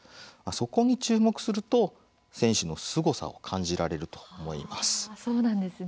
そこに注目すると選手のすごさを感じられると思います。